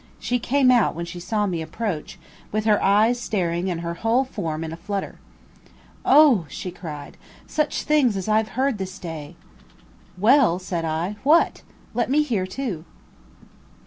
She came out when she saw me approach, with her eyes staring and her whole form in a flutter. "O," she cried, "such things as I have heard this day!" "Well," said I, "what? let me hear too."